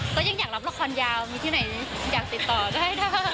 ก็ยังอยากรับละครยาวมีที่ไหนอยากติดต่อก็ได้